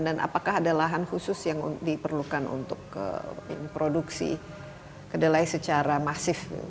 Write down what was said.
dan apakah ada lahan khusus yang diperlukan untuk produksi kedelai secara masif